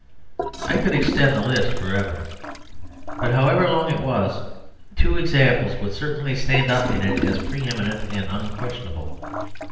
I could extend the list for ever. But however long it was, two examples would certainly stand up in it as pre eminent and unquestionable.